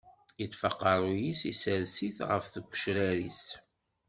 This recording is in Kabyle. Yeṭṭef aqeṛṛu-s, isers-it ɣef tgecrar-is.